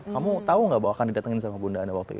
kamu tahu nggak bahwa akan didatengin sama bunda anne waktu itu